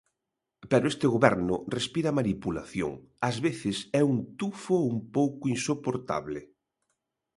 Pero este goberno respira manipulación; ás veces é un tufo un pouco insoportable.